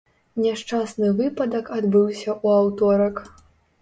Няшчасны выпадак адбыўся ў аўторак.